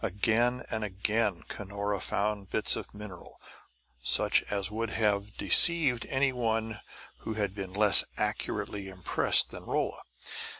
Again and again Cunora found bits of mineral such as would have deceived any one who had been less accurately impressed than Rolla.